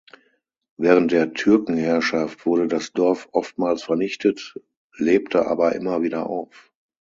Während der Türkenherrschaft wurde das Dorf oftmals vernichtet, lebte aber immer wieder auf.